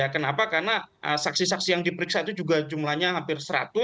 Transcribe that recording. kenapa karena saksi saksi yang diperiksa itu juga jumlahnya hampir seratus